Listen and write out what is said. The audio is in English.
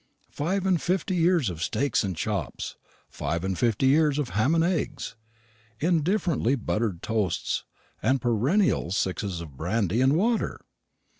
Five and fifty years of steaks and chops; five and fifty years of ham and eggs, indifferently buttered toasts, and perennial sixes of brandy and water!